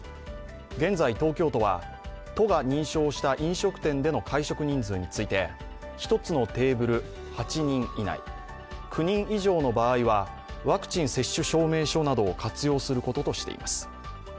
現在、東京都は都が認証した飲食店での会食人数について１つのテーブル８人以内、９人以上の場合はワクチン接種証明書などを活用することとしています。